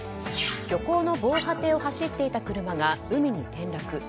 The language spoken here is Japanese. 漁港の防波堤を走っていた車が海に転落。